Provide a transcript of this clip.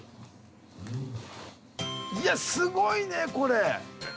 いやすごいねこれ。